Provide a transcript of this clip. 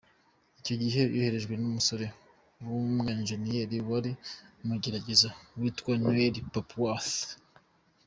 Icyo gihe yoherejwe n’umusore w’umwenjeniyeri wari mu igerageza witwa Neil Papworth.